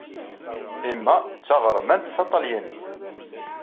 Emma d taɣermant taṭalyanit.